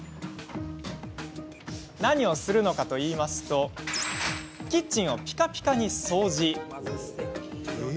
何をするかというとキッチンをピカピカに掃除。